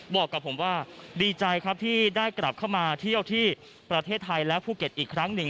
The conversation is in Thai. บอกกับผมว่าดีใจครับที่ได้กลับเข้ามาเที่ยวที่ประเทศไทยและภูเก็ตอีกครั้งหนึ่ง